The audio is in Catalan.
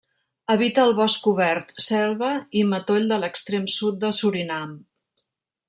Habita el bosc obert, selva i matoll de l'extrem sud de Surinam.